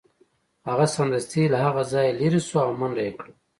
هغه سمدستي له هغه ځایه لیرې شو او منډه یې کړه